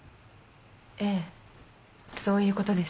ええそういう事です。